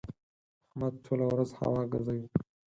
احمد ټوله ورځ هوا ګزوي.